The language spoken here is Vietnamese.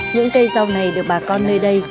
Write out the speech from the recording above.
những cây rau này được bà con nơi đây